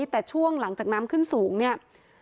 แต่ช่วงหลังจากน้ำขึ้นสูงเนี่ย